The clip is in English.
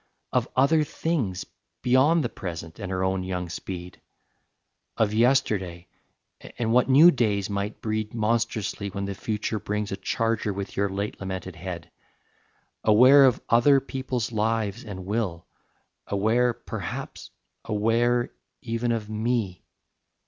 of other things Beyond the present and her own young speed, Of yesterday and what new days might breed Monstrously when the future brings A charger with your late lamented head: Aware of other people's lives and will, Aware, perhaps, aware even of me